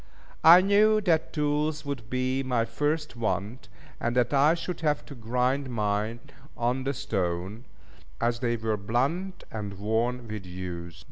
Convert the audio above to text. I knew that tools would be my first want, and that I should have to grind mine on the stone, as they were blunt and worn with use.